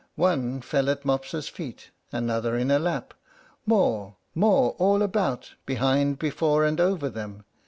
One fell at Mopsa's feet, another in her lap; more, more, all about, behind, before, and over them.